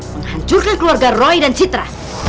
menghancurkan keluarga roy dan citra